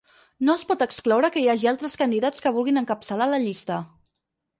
No es pot excloure que hi hagi altres candidats que vulguin encapçalar la llista.